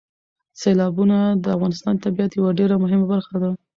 سیلابونه د افغانستان د طبیعت یوه ډېره مهمه برخه ده.